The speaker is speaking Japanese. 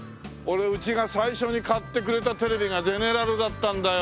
うちが最初に買ってくれたテレビがゼネラルだったんだよ。